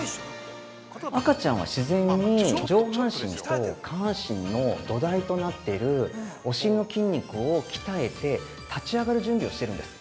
赤ちゃんは自然に上半身と下半身の土台となってるお尻の筋肉を鍛えて、立ち上がる準備をしてるんです。